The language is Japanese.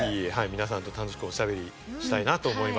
皆さんと楽しくおしゃべりしたいなと思います。